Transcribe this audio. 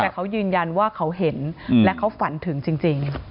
แต่เขายืนยันว่าเขาเห็นและเขาฝันถึงจริง